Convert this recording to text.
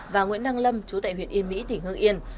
và nguyễn đăng lâm chú tại huyện yên mỹ tỉnh hương yên